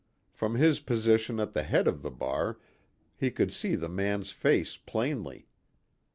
From his position at the head of the bar he could see the man's face plainly.